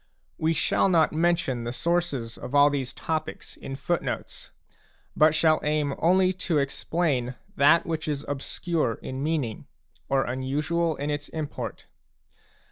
We shall not mention the sources of all these topics in footnotes, but shall aim only to explain that which is obscure in meaning or unusual in its import.